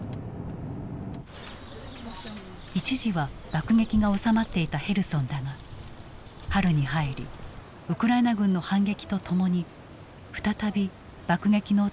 一時は爆撃が収まっていたヘルソンだが春に入りウクライナ軍の反撃とともに再び爆撃の音が聞こえるようになった。